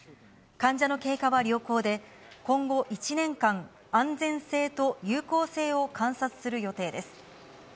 患者の経過は良好で、今後１年間、安全性と有効性を観察する予定です。